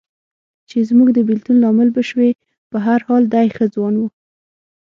چې زموږ د بېلتون لامل به شوې، په هر حال دی ښه ځوان و.